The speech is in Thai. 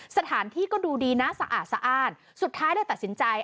สถานที่ก็ดูดีนะสะอาดสุดท้ายได้ตัดสินใจ